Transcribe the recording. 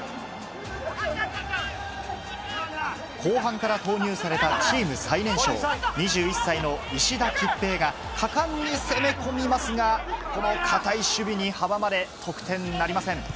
後半から投入されたチーム最年少、２１歳の石田吉平が果敢に攻め込みますが、この堅い守備に阻まれ、得点なりません。